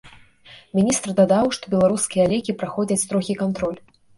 Міністр дадаў, што беларускія лекі праходзяць строгі кантроль.